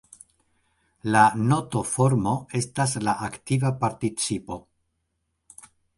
La nt-formo estas la aktiva participo.